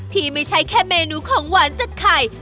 ที่ไม่ใช่แค่เมนูของหวานจากไข่